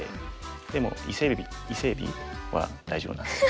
でも伊勢えび伊勢えびは大丈夫なんです。